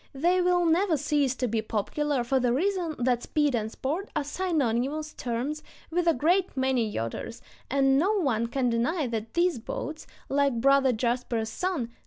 They will never cease to be popular, for the reason that speed and sport are synonymous terms with a great many yachters, and no one can deny that these boats, like Brother Jasper's sun, "do move."